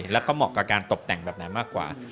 แล้วก็เหมาะกับการตกแต่งแบบนั้นมากกว่า